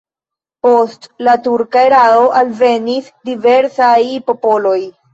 Post la turka erao alvenis diversaj popoloj.